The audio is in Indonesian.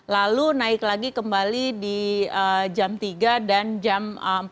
lalu naik lagi kembali di jam tiga dan jam empat